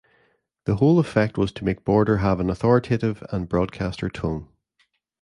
The whole effect was to make Border have an authoritative and broadcaster tone.